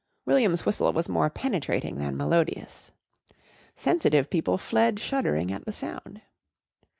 William's whistle was more penetrating than melodious. Sensitive people fled shuddering at the sound.